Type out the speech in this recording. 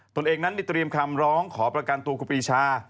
ตัวเองนั้นได้เตรียมคำร้องขอประกันตัวครูปีชา